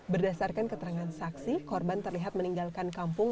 berdasarkan keterangan saksi korban terlihat meninggalkan kampung